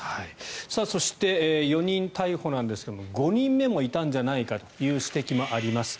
そして、４人逮捕なんですが５人目もいたんじゃないかという指摘もあります。